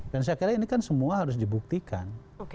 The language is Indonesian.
dan saya kira ini kan semua harus dibuktikan